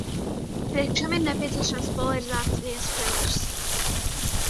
Priekš kam ir nepieciešams polarizācijas filtrs?